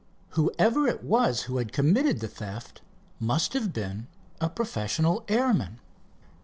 Whoever it was who had committed the theft must have been a professional airman.